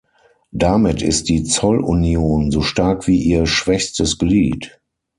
Damit ist die Zollunion so stark wie ihr schwächstes Glied.